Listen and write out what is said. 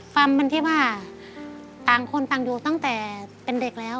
มันเป็นที่ว่าต่างคนต่างอยู่ตั้งแต่เป็นเด็กแล้ว